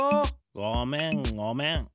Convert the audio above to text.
ごめんごめん。